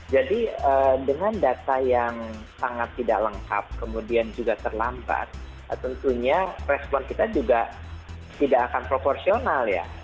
jadi dengan data yang sangat tidak lengkap kemudian juga terlambat tentunya respon kita juga tidak akan proporsional ya